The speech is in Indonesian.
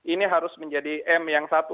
ini harus menjadi m yang satu